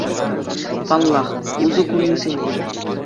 Паллах, усӑ курнисене.